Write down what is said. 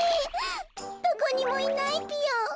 どこにもいないぴよ。